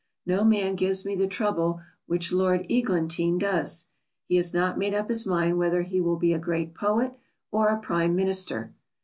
No man gives me the trouble which Lord Eglantine does; he has not made up his mind whether he will be a great poet or a Prime Minister.